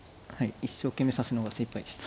一生懸命指すのが精いっぱいでした。